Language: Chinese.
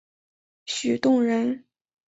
许洞人。